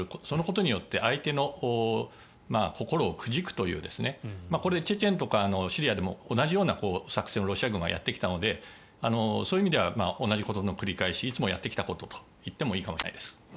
そのことによって相手の心をくじくというこれ、チェチェンとかシリアでも同じような作戦をロシア軍はやってきたのでそういう意味では同じことの繰り返しいつもやってきたことと言ってもいいかもしれないです。